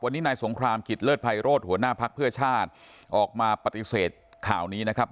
วันนี้นายสงครามกิจเลิศภัยโรธหัวหน้าภักดิ์เพื่อชาติออกมาปฏิเสธข่าวนี้นะครับ